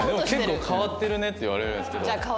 結構変わってるねって言われるんですけど。